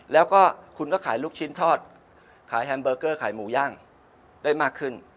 แล้วก็คุณก็ขายลูกชิ้นทอดขายแฮมเบอร์เกอร์ขายหมูย่างได้มากขึ้น